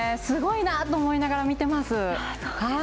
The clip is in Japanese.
すごいなと思いながら見ています。